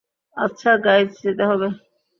আচ্ছা, গাইজ, যেতে হবে।